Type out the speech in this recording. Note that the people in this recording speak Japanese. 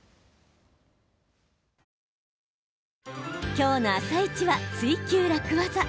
今日の「あさイチ」は「ツイＱ楽ワザ」。